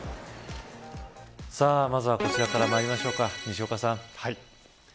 まずはこちらからまいりましょうか、西岡さん。